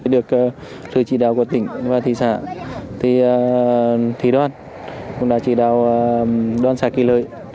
được thư trị đạo của tỉnh và thị xã thì thí đoàn cũng đã trị đạo đoàn thị xã kỳ lợi